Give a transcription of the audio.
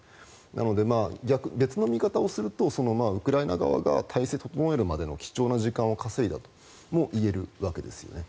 なので、別の見方をするとウクライナ側が態勢を整えるまでの貴重な時間を稼いだともいえるわけですね。